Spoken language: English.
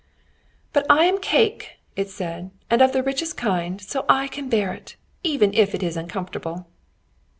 "But I am cake," it said, "and of the richest kind, so I can bear it, even if it is uncomfortable."